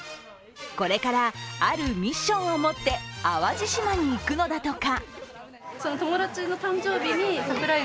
これからあるミッションをもって淡路島に行くのだとか。